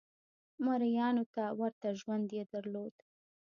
مریانو ته ورته ژوند یې درلود.